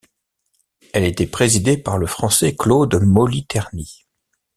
Elle était présidée par le Français Claude Moliterni.